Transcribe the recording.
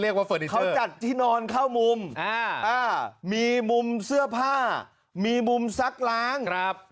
เขาจัดที่นอนเข้ามุมมีมุมเสื้อผ้ามีมุมซักล้าง